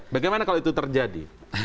bagaimana kalau itu terjadi